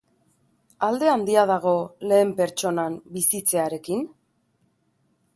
Alde handia dago lehen pertsonan bizitzearekin?